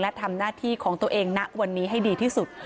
และทำหน้าที่ของตัวเองณวันนี้ให้ดีที่สุด